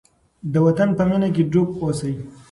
د وطن په مینه کې ډوب اوسئ.